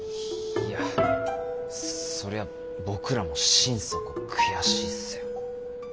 いやそりゃ僕らも心底悔しいっすよ。